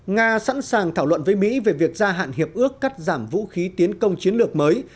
nga sẵn sàng thảo luận với mỹ về việc gia hạn hiệp ước cắt giảm vũ khí tiến công chiến lược mới